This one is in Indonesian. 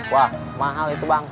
wah mahal itu bang